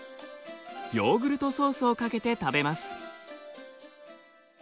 ヨーグルトソースをかけて食べます。